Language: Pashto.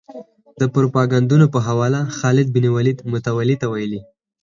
د پروپاګندونو په حواله خالد بن ولید متولي ته ویلي.